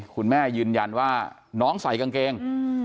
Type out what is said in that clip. คุณแม่ยืนยันว่าน้องใส่กางเกง